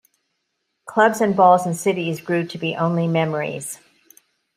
Clubs and balls and cities grew to be only memories.